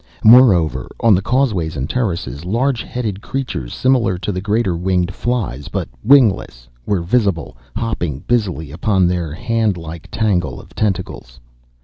Moreover, on the causeways and terraces, large headed creatures similar to the greater winged flies, but wingless, were visible, hopping busily upon their hand like tangle of tentacles.